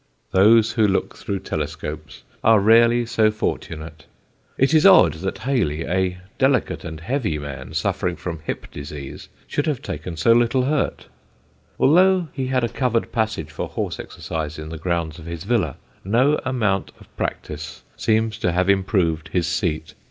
Those who look through telescopes are rarely so fortunate. It is odd that Hayley, a delicate and heavy man suffering from hip disease, should have taken so little hurt. Although he had a covered passage for horse exercise in the grounds of his villa, no amount of practice seems to have improved his seat.